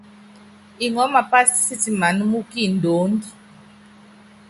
Iŋɔɔ́ mapása sítimaná mú kindoónd.